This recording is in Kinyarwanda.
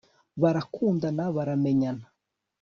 barakundana baramenyana